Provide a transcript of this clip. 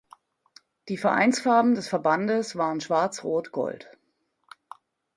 Die Vereinsfarben des Verbandes waren schwarz-rot-gold.